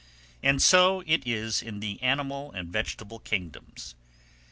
And so it is in the animal and vegetable kingdoms.